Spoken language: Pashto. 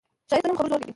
ښایست د نرمو خبرو زور دی